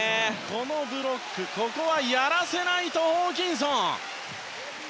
このブロックここはやらせないとホーキンソン！